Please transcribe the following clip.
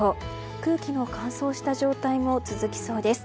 空気の乾燥した状態も続きそうです。